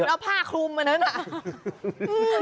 แล้วผ้าคลุมอันนั้นน่ะ